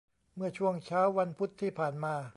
เมื่อช่วงเช้าวันพุธที่ผ่านมา